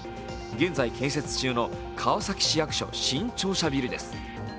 現在建設中の川崎市役所・新庁舎ビルです。